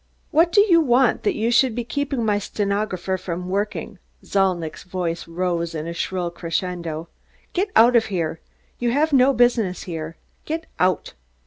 "What do you want that you should be keeping my stenographer from working?" Zalnitch's voice rose in a shrill crescendo. "Get out of here! You have no business here. Get out!"